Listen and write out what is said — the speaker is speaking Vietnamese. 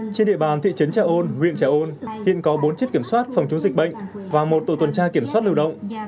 trên địa bàn thị trấn trà ôn huyện trà ôn hiện có bốn chiếc kiểm soát phòng chống dịch bệnh và một tổ tuần tra kiểm soát lưu động